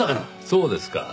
そうですか。